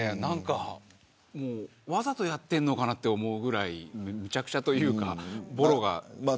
わざとやってんのかなと思うぐらいむちゃくちゃというかぼろがいろいろ。